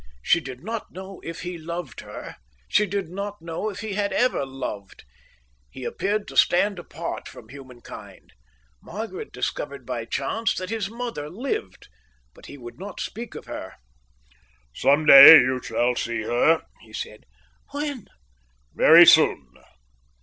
She did not know if he loved her. She did not know if he had ever loved. He appeared to stand apart from human kind. Margaret discovered by chance that his mother lived, but he would not speak of her. "Some day you shall see her," he said. "When?" "Very soon."